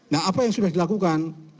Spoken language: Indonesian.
nah apa yang sudah dilakukan